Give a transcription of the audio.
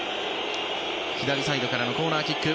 左サイドからのコーナーキック。